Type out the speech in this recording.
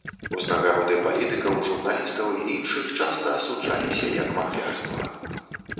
Узнагароды палітыкаў, журналістаў, і іншых часта асуджаліся як махлярства.